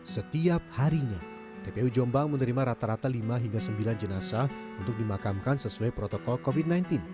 setiap harinya tpu jombang menerima rata rata lima hingga sembilan jenazah untuk dimakamkan sesuai protokol covid sembilan belas